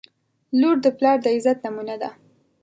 • لور د پلار د عزت نمونه ده.